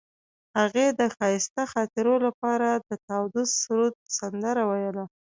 هغې د ښایسته خاطرو لپاره د تاوده سرود سندره ویله.